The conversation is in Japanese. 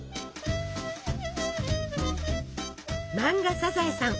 漫画「サザエさん」。